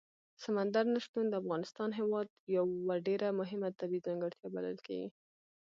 سمندر نه شتون د افغانستان هېواد یوه ډېره مهمه طبیعي ځانګړتیا بلل کېږي.